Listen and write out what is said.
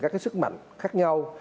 các cái sức mạnh khác nhau